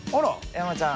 山ちゃん